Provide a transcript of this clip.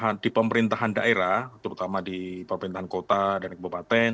masalah di pemerintahan di pemerintahan daerah terutama di perpintahan kota dan kebupaten